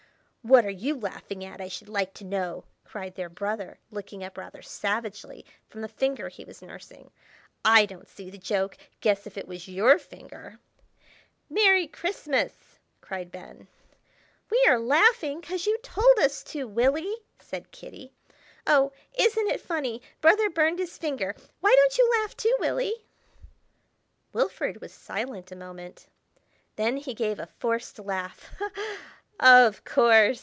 "What are you laughing at, I should like to know?" cried their brother, looking up rather savagely from the finger he was nursing. "I don't see the joke! Guess if it was your finger—" "Merry Christmas!" cried Ben. "We are laughing 'cause you told us to, Willy!" said Kitty. "Oh, isn't it funny, brother burned his finger! Why don't you laugh, too, Willy?" Wilfrid was silent a moment; then he gave a forced laugh. "Of course!"